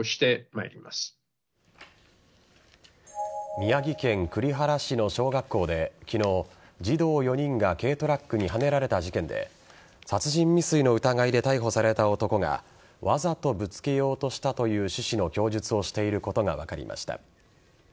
宮城県栗原市の小学校で昨日児童４人が軽トラックにはねられた事件で殺人未遂の疑いで逮捕された男がわざとぶつけようとしたという趣旨の供述をしていることが分かりました。